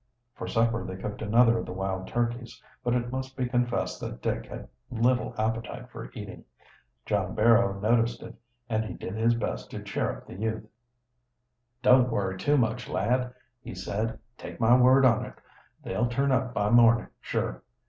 For supper they cooked another of the wild turkeys, but it must be confessed that Dick had little appetite for eating. John Barrow noticed it, and he did his best to cheer up the youth. "Don't worry too much, lad," he said. "Take my word on it, they'll turn up by morning, sure.